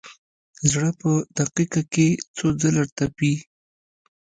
زړه په دقیقه کې څو ځله تپي.